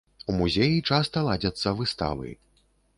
У музеі часта ладзяцца выставы.